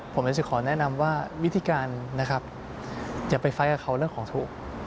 ผมเลยจะขอแนะนำว่าวิธีการนะครับอย่าไปไฟล์กับเขาเรื่องของทุกข์